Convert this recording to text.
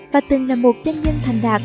và từng là một nhân dân thành đạt